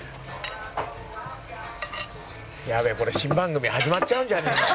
「やべえこれ新番組始まっちゃうんじゃねえの？」